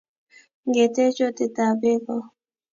ngetech otet tab beko